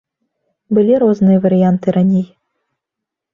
Былі розныя варыянты раней.